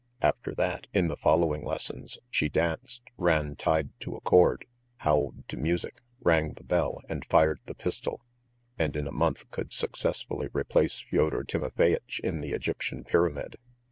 After that, in the following lessons she danced, ran tied to a cord, howled to music, rang the bell, and fired the pistol, and in a month could successfully replace Fyodor Timofeyitch in the "Egyptian Pyramid."